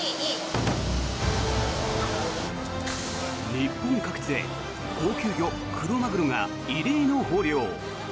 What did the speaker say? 日本各地で高級魚クロマグロが異例の豊漁。